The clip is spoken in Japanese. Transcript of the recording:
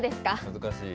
難しい。